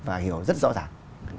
và hiểu rất rõ ràng